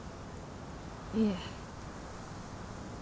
いえ。